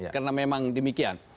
karena memang demikian